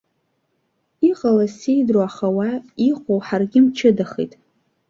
Иҟалаз сеидру аха, уа иҟоу ҳаргьы мчыдахеит.